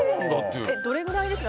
どれぐらいですか。